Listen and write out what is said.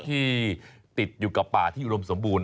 ที่ติดอยู่กับป่าที่อุดมสมบูรณ